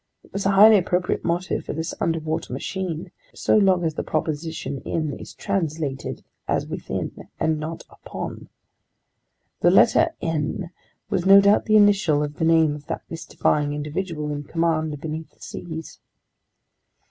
It was a highly appropriate motto for this underwater machine, so long as the preposition in is translated as within and not upon. The letter N was no doubt the initial of the name of that mystifying individual in command beneath the seas!